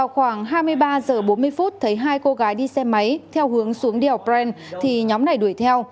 khoảng hai mươi ba h bốn mươi phút thấy hai cô gái đi xe máy theo hướng xuống đèo brent thì nhóm này đuổi theo